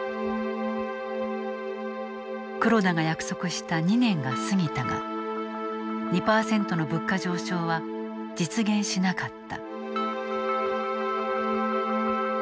黒田が約束した２年が過ぎたが２％の物価上昇は実現しなかった。